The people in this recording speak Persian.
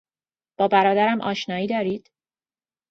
با برادرم آشنایی دارید؟